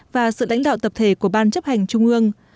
và sự lãnh đạo tập thể của ban chấp hành trung ương